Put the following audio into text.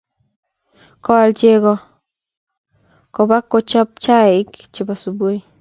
koal chego kobak kochob chaik che bo subui.